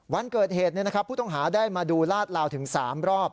วันเกิดเหตุผู้ต้องหาได้มาดูลาดลาวถึง๓รอบ